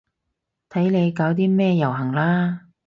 睇你搞啲咩遊行啦